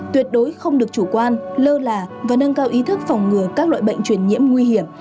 tuyệt đối không được chủ quan lơ là và nâng cao ý thức phòng ngừa các loại bệnh truyền nhiễm nguy hiểm